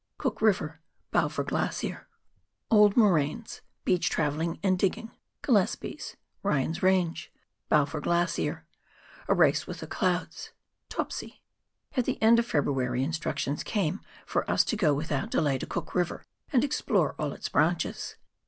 COOK RIVER BALFOUR GLACIER. Old Moraines — Beach Travelling and Digging — GUlespies — Ryan's Range — Balfour Glacier — A Race with the Clouds —" Topsy." At the end of February instructions came for us to go with out delay to Cook River, and explore all its branches.